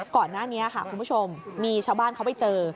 ก่อนหน้านี้ค่ะคุณผู้ชมมีชาวบ้านเขาไปเจอ